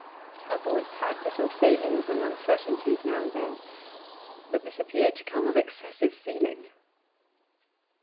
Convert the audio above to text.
Her voice had little failings and uncertainties now and then, but this appeared to come of excessive feeling.